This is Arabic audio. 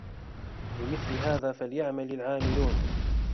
لمثل هذا فليعمل العاملون